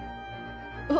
うわ！